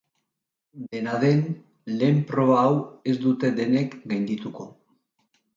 Dena den, lehen proba hau ez dute denek gaindituko.